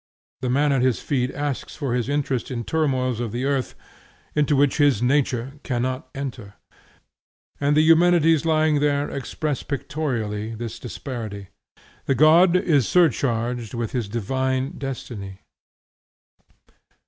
The man at his feet asks for his interest in turmoils of the earth, into which his nature cannot enter. And the Eumenides there lying express pictorially this disparity. The god is surcharged with his divine destiny.